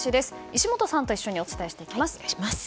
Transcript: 石本さんと一緒にお伝えしていきます。